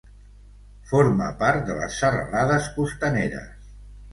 Forma part de les Serralades Costaneres.